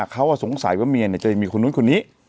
เขาสงสัยว่าเมียเนี่ยจะยังมีคนนู้นคนนี้